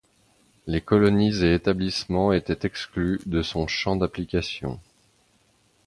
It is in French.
Les colonies et établissements étaient exclus de son champ d'application.